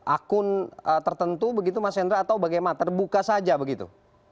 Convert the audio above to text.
akun tertentu begitu mas hendra atau bagaimana terbuka saja begitu